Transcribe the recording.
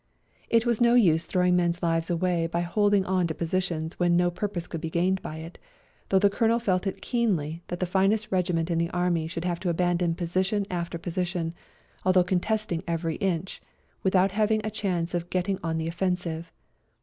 It was no use throwing men's lives away by holding on to positions when no purpose could be gained by it, though the Colonel felt it keenly that the finest regiment in the Army should have to abandon position after position, although contesting every inch, with out having a chance of going on the offensive.